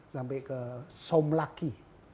sampai ke somlaki